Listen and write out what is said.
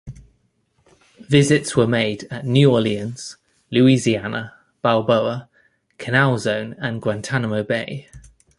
Visits were made at New Orleans, Louisiana, Balboa, Canal Zone, and Guantanamo Bay.